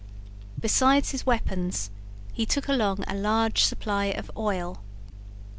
Besides his weapons he took along a large supply of oil.